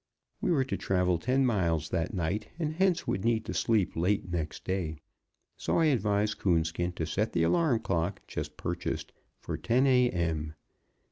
We were to travel ten miles that night, and hence would need to sleep late next day. So I advised Coonskin to set the alarm clock, just purchased, for ten a. m.